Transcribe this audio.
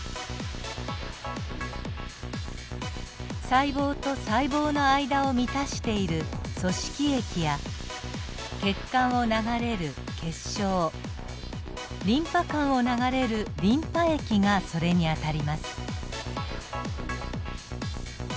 細胞と細胞の間を満たしている組織液や血管を流れる血しょうリンパ管を流れるリンパ液がそれにあたります。